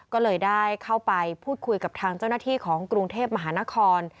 ก็เลยได้เข้าไปพูดคุยกับทางเจ้าหน้าที่ของกรุงเทพมหานคร